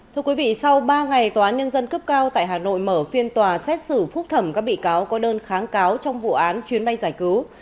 thưa quý vị sau ba ngày tòa án nhân dân cấp cao tại hà nội mở phiên tòa xét xử phúc thẩm các bị cáo có đơn kháng cáo trong vụ án chuyến bay giải cứu